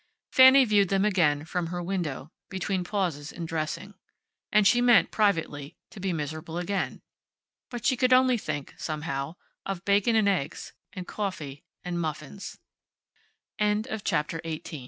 Fanny viewed them again, from her window, between pauses in dressing. And she meant, privately, to be miserable again. But she could only think, somehow, of bacon and eggs, and coffee, and muffins. CHAPTER NINETEEN Heyl's place. Fa